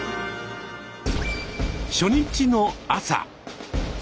初日の朝。